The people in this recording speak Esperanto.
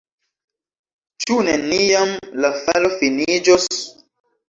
Ĉu neniam la falo finiĝos?